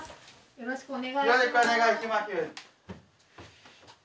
よろしくお願いします。